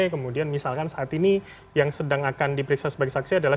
kemudian misalkan saat ini yang sedang akan diperiksa sebagai saksi adalah